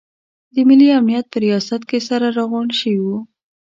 د ملي امنیت په ریاست کې سره راغونډ شوي وو.